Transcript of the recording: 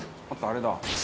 あれだ。